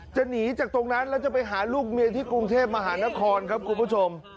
หนีจากตรงนั้นแล้วจะไปหาลูกเมียที่กรุงเทพมหานครครับคุณผู้ชม